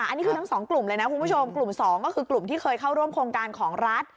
อันนี้คือทั้งสองกลุ่มเลยนะคุณผู้ชมกลุ่ม๒ก็คือกลุ่มที่เคยเข้าร่วมโครงการของรัฐ